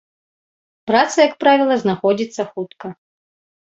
Праца, як правіла, знаходзіцца хутка.